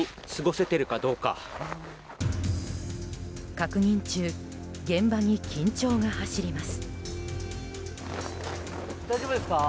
確認中現場に緊張が走ります。